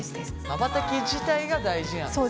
まばたき自体が大事なんですね。